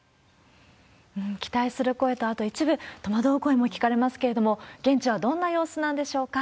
期待する声と、あと一部、戸惑う声も聞かれますけれども、現地はどんな様子なんでしょうか。